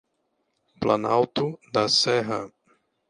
Planalto da Serra